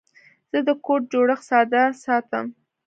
زه د کوډ جوړښت ساده ساتم.